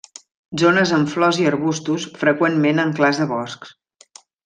Zones amb flors i arbustos, freqüentment en clars de bosc.